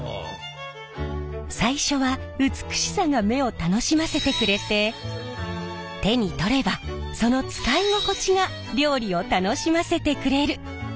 最初は美しさが目を楽しませてくれて手に取ればその使い心地が料理を楽しませてくれる。